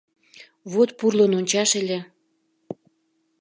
Вот пурлын ончаш ыле!